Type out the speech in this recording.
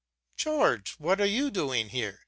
'' George, what are you doing here?